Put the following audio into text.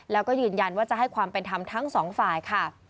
แล้วก็ยืนยันว่าจะให้ความเป็นธรรมทั้งสองฝ่ายค่ะ